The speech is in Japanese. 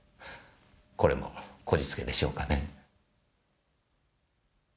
これもこじつけでしょうかね？